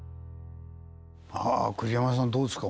栗山さんどうですか？